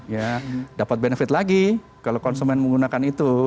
ya dapat benefit lagi kalau konsumen menggunakan itu